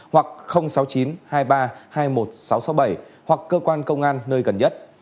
hoặc sáu mươi chín hai nghìn ba trăm hai mươi một sáu trăm sáu mươi bảy hoặc cơ quan công an nơi gần nhất